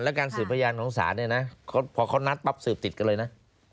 และการสืบพยานของศาลเนี่ยนะพอเขานัดปั๊บสืบติดกันเลยนะ